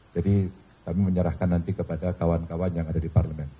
jadi kami menyerahkan nanti kepada kawan kawan yang ada di parlemen